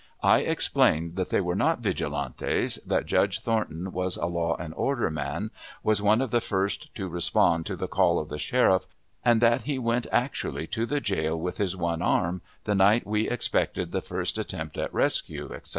I explained that they were not "Vigilantes," that Judge Thornton was a "Law and Order" man, was one of the first to respond to the call of the sheriff, and that he went actually to the jail with his one arm the night we expected the first attempt at rescue, etc.